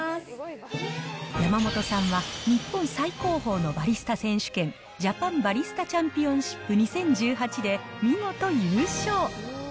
山本さんは日本最高峰のバリスタ選手権、ジャパンバリスタチャンピオンシップ２０１８で見事優勝。